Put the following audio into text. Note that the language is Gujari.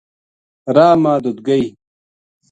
راہ ما ددگئی